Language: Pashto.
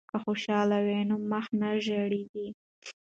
که خوشحالی وي نو مخ نه ژیړیږي.